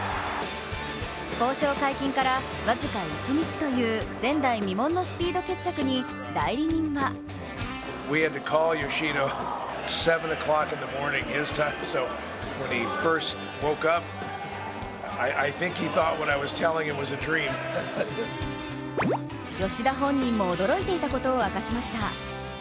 交渉解禁から僅か１日という前代未聞のスピード決着に代理人は吉田本人も驚いていたことを明かしました。